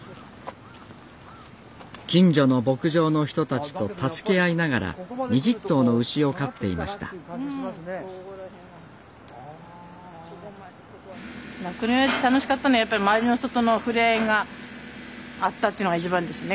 近所の牧場の人たちと助け合いながら２０頭の牛を飼っていました酪農やって楽しかったのはやっぱり周りの人とのふれあいがあったというのが一番ですね。